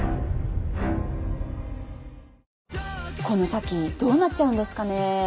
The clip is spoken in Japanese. この先どうなっちゃうんですかね。